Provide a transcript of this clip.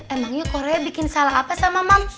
emangnya korea bikin salah apa sama mam